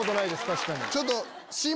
確かに。